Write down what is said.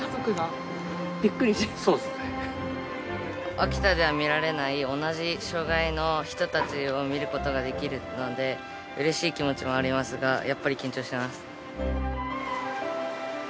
秋田では見られない同じ障がいの人たちを見ることができるのでうれしい気持ちもありますがやっぱり緊張しています。